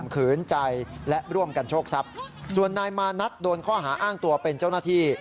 ขืนใจและร่วมกันโชคทรัพย์ส่วนนายมานัดโดนข้อหาอ้างตัวเป็นเจ้าหน้าที่